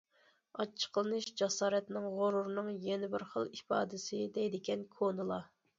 ئاچچىقلىنىش جاسارەتنىڭ، غۇرۇرنىڭ يەنە بىر خىل ئىپادىسى دەيدىكەن كونىلار.